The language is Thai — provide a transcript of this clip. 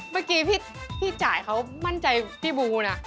เมื่อกี้พี่จ่ายเขามั่นใจพี่บูนะ